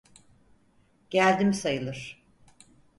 Geldim sayılır.